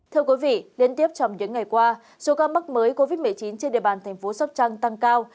thưa quý vị liên tiếp trong những ngày qua số ca mắc mới covid một mươi chín trên địa bàn thành phố sóc trăng tăng cao